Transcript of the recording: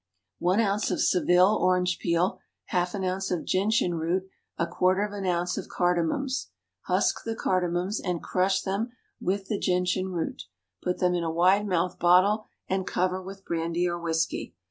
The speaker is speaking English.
_ One ounce of Seville orange peel, half an ounce of gentian root, a quarter of an ounce of cardamoms. Husk the cardamoms, and crush them with the gentian root. Put them in a wide mouthed bottle, and cover with brandy or whisky.